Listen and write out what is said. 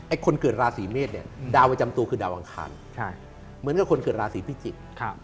คนเกิดราศีเมษเนี่ยดาวประจำตัวคือดาวอังคารเหมือนกับคนเกิดราศีพิจิกษ์